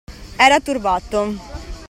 Era turbato.